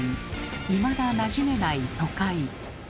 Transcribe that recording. いまだなじめない都会。